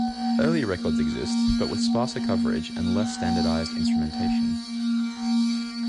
Earlier records exist, but with sparser coverage and less standardized instrumentation.